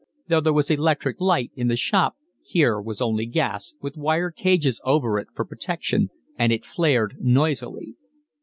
Though there was electric light in the shop here was only gas, with wire cages over it for protection, and it flared noisily.